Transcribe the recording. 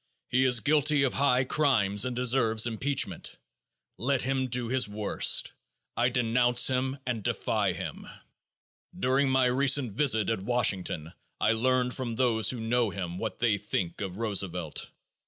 He is guilty of high crimes and deserves impeachment. Let him do his worst. I denounce him and defy him. During my recent visit at Washington I learned from those who know him what they think of Roosevelt.